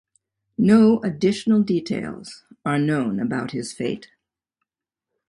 No additional details are known about his fate.